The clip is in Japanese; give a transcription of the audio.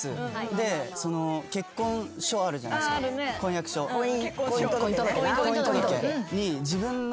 で結婚書あるじゃないですか婚約書。婚姻届ね。